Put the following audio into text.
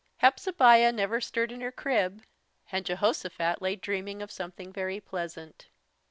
Hepzebiah never stirred in her crib, and Jehosophat lay dreaming of something very pleasant.